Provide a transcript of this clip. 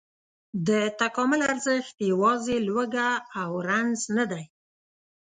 د تکامل ارزښت یواځې لوږه او رنځ نه دی.